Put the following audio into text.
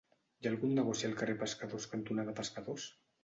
Hi ha algun negoci al carrer Pescadors cantonada Pescadors?